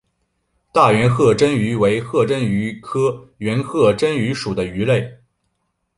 大圆颌针鱼为颌针鱼科圆颌针鱼属的鱼类。